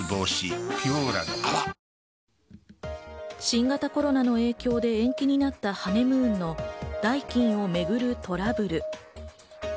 新型コロナの影響で延期になったハネムーンの代金をめぐるトラブル。